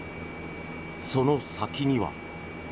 その先には。